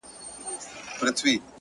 پټ کي څرگند دی’